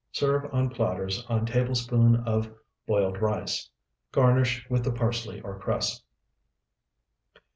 Serve on platters on tablespoonful of boiled rice. Garnish with the parsley or cress.